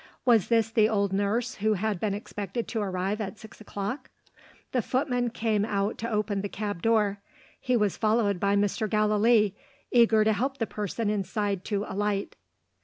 Was this the old nurse who had been expected to arrive at six o'clock? The footman came out to open the cab door. He was followed by Mr. Gallilee, eager to help the person inside to alight.